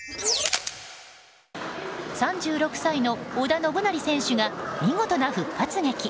３６歳の織田信成選手が見事な復活劇。